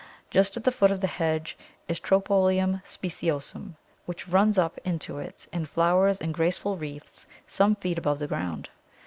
Just at the foot of the hedge is Tropæolum speciosum, which runs up into it and flowers in graceful wreaths some feet above the ground.